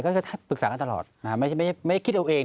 ก็จะปรึกษากันตลอดไม่คิดเอาเอง